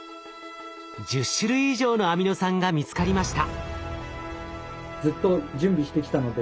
１０種類以上のアミノ酸が見つかりました。